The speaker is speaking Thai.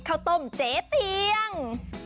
ข้าวต้มเจ๊เตียง